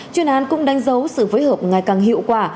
chuyên án cũng đánh dấu sự phối hợp ngày càng hiệu quả